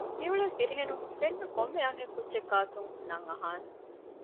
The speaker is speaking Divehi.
މިއުޅޭ ފިރިހެނުން ފެންނަ ކޮންމެ އަންހެން ކުއްޖެއް ގާތު ނަން އަހާނެ